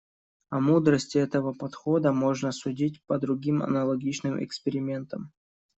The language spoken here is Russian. О мудрости этого подхода можно судить по другим аналогичным экспериментам.